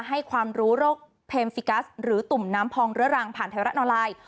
ให้ความรู้โรคเพมฟิกัสหรือตุ่มน้ำพองเรื้อรังผ่านไทยรัฐออนไลน์